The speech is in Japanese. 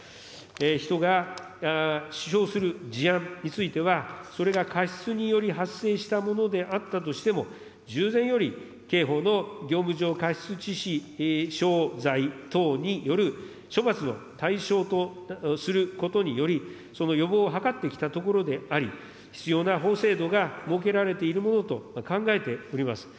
人が死傷する事案については、それが過失により発生したものであったとしても、従前より刑法の業務上過失致死傷罪等による処罰の対象とすることにより、その予防を図ってきたところであり、必要な法制度が設けられているものと考えております。